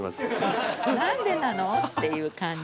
なんでなの？っていう感じ。